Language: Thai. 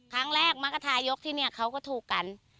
ครั้งแรกมักกระทายกที่เนี่ยเขาก็ถูกกัน